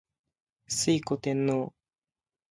推古天皇